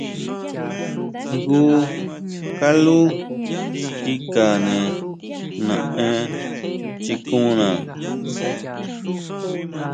Jngu kaló kikane naʼenchikona.